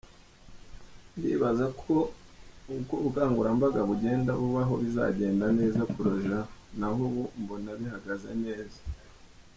Ndibaza ko uko ubukangurambaga bugenda bubaho bizagenda neza kurushaho naho ubu mbona bihagaze neza”.